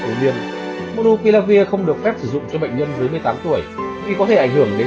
công niên monopiravir không được phép sử dụng cho bệnh nhân dưới một mươi tám tuổi vì có thể ảnh hưởng đến